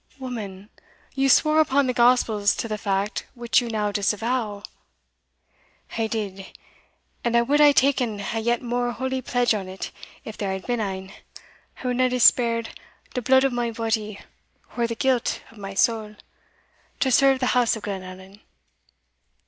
"Woman! you swore upon the gospels to the fact which you now disavow." "I did, and I wad hae taen a yet mair holy pledge on it, if there had been ane I wad not hae spared the blood of my body, or the guilt of my soul, to serve the house of Glenallan."